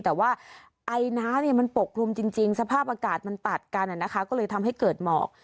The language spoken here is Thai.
แต่ว่าไอน้ำมันปกคลุมจริงสภาพอากาศมันตัดกันก็เลยทำให้เกิดหมอก